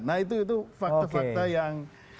nah itu fakta fakta yang